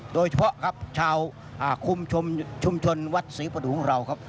โดยเฉพาะครับชาวคุมชุมชนวัดศรีประดุงของเราครับ